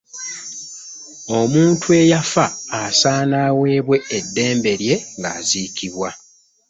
Omuntu eyafa asaana awebwe eddembe lye nga yazikibwa.